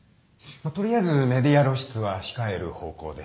まあとりあえずメディア露出は控える方向で。